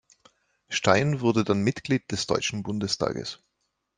Stein wurde dann Mitglied des Deutschen Bundestages.